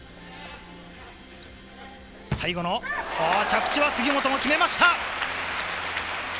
最後の着地、杉本も決めました！